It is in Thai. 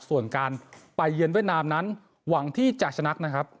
ส่วนการไปเยือนเวียดนามนั้นหวังที่จะชนะนะครับ